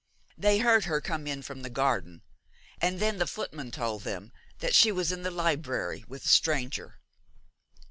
They heard her come in from the garden; and then the footman told them that she was in the library with a stranger.